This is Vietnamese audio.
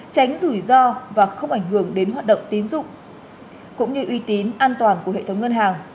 tránh rủi ro và không ảnh hưởng đến hoạt động tín dụng cũng như uy tín an toàn của hệ thống ngân hàng